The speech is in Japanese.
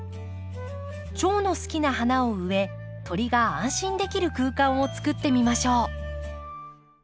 チョウの好きな花を植え鳥が安心できる空間を作ってみましょう。